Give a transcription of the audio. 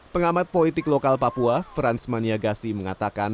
pengamat politik lokal papua frans maniagasi mengatakan